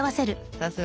さすが。